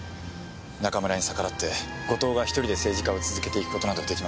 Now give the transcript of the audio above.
中村に逆らって後藤が独りで政治家を続けていく事などできません。